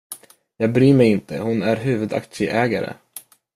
Jag bryr mig inte, hon är huvudaktieägare.